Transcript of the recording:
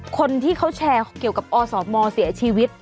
คนที่เขาแชร์เกี่ยวกับอสมเสียชีวิต